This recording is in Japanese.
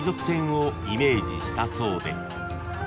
［イメージしたそうで］